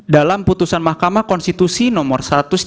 dalam putusan mahkamah konstitusi nomor satu ratus dua puluh